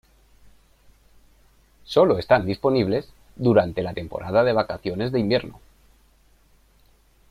Sólo están disponibles durante la temporada de vacaciones de invierno.